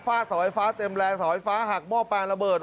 ฝ้าสวรรค์ไฟฟ้าเต็มแรงสวรรค์ไฟฟ้าหักหม้อปางระเบิด